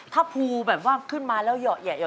ถ้าขึ้นมาแล้วเยาะแยะ